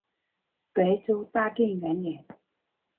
北周大定元年。